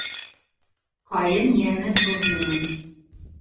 Ҡайын йәме туҙ менән